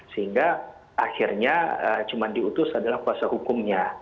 sehingga akhirnya cuma diutus adalah kuasa hukumnya